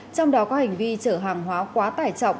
trong đó có hành vi chở hàng hóa quá tải trọng